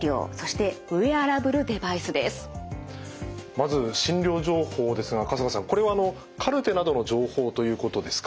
まず診療情報ですが春日さんこれはあのカルテなどの情報ということですか？